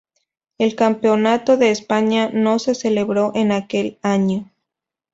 El Campeonato de España no se celebró en aquel año.